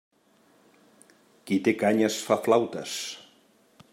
Qui té canyes fa flautes.